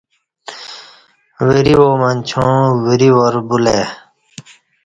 وری وا منچا وری وار بولہ ا ی